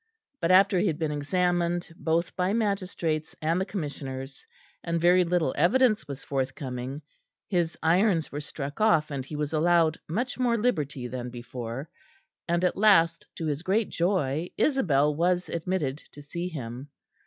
But after he had been examined both by magistrates and the Commissioners, and very little evidence was forthcoming, his irons were struck off and he was allowed much more liberty than before; and at last, to his great joy, Isabel was admitted to see him.